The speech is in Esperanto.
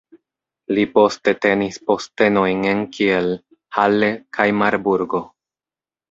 Li poste tenis postenojn en Kiel, Halle kaj Marburgo.